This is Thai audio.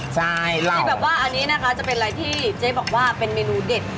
ใช่นี่แบบว่าอันนี้นะคะจะเป็นอะไรที่เจ๊บอกว่าเป็นเมนูเด็ด